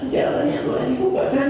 jalan yang telah dikepupakan